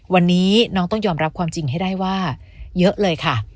วันนี้น้องต้องยอมรับความจริงให้ได้ว่าเยอะเลยค่ะ